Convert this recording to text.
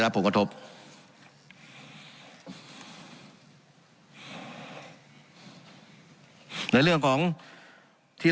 การปรับปรุงทางพื้นฐานสนามบิน